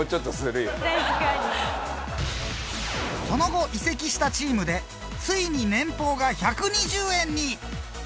その後移籍したチームでついに年俸が１２０円に。